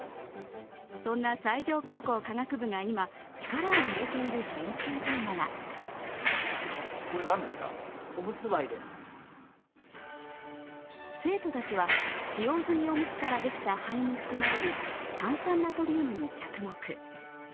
そんな西条高校科学部が今力を入れている研究テーマが生徒たちは使用済みおむつからできた灰に含まれる炭酸ナトリウムに着目。